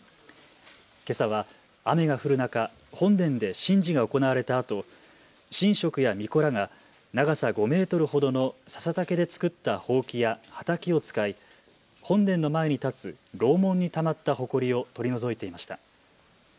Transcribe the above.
けさは雨が降る中、本殿で神事が行われたあと、神職やみこらが長さ５メートルほどのささ竹で作ったほうきやはたきを使い本殿の前に立つ楼門にたまったほこりを取り除いていました。